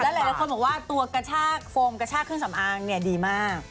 หลายคนบอกว่าตัวกระชากโฟมกระชากเครื่องสำอางเนี่ยดีมาก